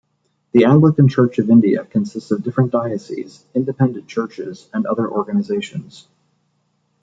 The Anglican Church of India consists of different dioceses, independent churches and other organizations.